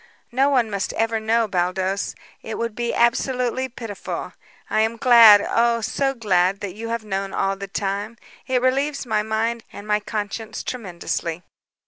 No one must ever know, Baldos; it would be absolutely pitiful. I am glad, oh, so glad, that you have known all the time. It relieves my mind and my conscience tremendously."